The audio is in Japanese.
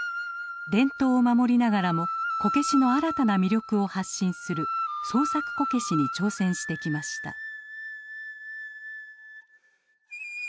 伝統を守りながらもこけしの新たな魅力を発信する創作こけしに挑戦してきました。